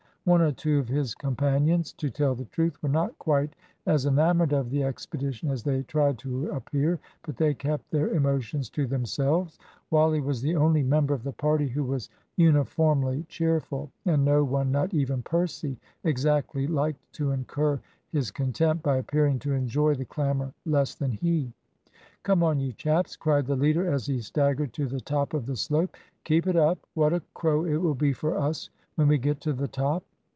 One or two of his companions, to tell the truth, were not quite as enamoured of the expedition as they tried to appear, but they kept their emotions to themselves. Wally was the only member of the party who was uniformly cheerful, and no one, not even Percy, exactly liked to incur his contempt by appearing to enjoy the clamber less than he. "Come on, you chaps," cried the leader as he staggered to the top of the slope. "Keep it up. What a crow it will be for us, when we get to the top!"